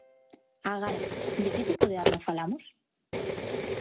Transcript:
Agarda, de que tipo de arma falamos?